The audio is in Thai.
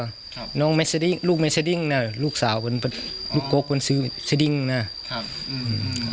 ครับน้องลูกลูกสาวลูกโก๊ควันซื้อนะครับอืม